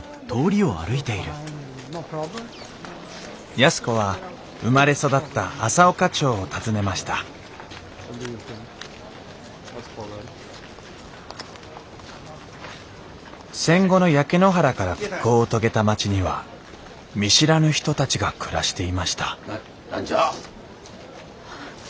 安子は生まれ育った朝丘町を訪ねました戦後の焼け野原から復興を遂げた町には見知らぬ人たちが暮らしていましたな何じゃあ？